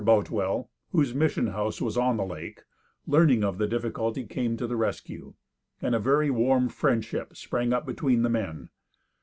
Boutwell, whose mission house was on the lake, learning of the difficulty, came to the rescue, and a very warm friendship sprang up between the men.